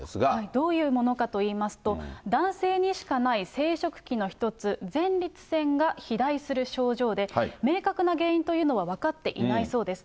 どういうものかといいますと、男性にしかない生殖器の一つ、前立腺が肥大する症状で、明確な原因というのは分かっていないそうです。